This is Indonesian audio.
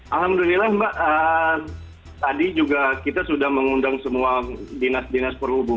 alhamdulillah mbak tadi juga kita sudah mengundang semua dinas dinas perhubungan